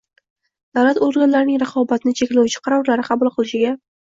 davlat organlarining raqobatni cheklovchi qarorlar qabul qilishiga